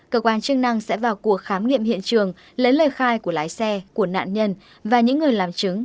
cơ quan chức năng sẽ vào cuộc khám nghiệm hiện trường lấy lời khai của lái xe của nạn nhân và những người làm chứng